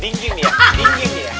dingin ya dingin ya